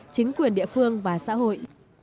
chính quyền địa phương và xã hội